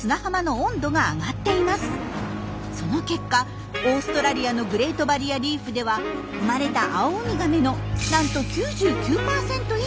その結果オーストラリアのグレート・バリア・リーフでは生まれたアオウミガメのなんと９９％以上がメスだった年もあったんです。